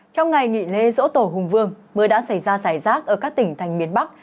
trong ngày nghị lê rỗ tổ hùng vương mưa đã xảy ra giải rác ở các tỉnh thành miền bắc